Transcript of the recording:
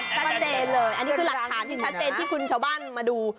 ชัดเจนเลยอันนี้คือหลักฐานที่ชัดเจนที่คุณชาวบ้านมาดู